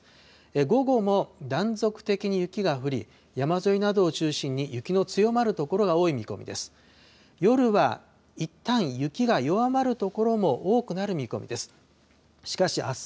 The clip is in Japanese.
午後も断続的に雪が降り、山沿いなどを中心に雪の強まる所が多い見込みです。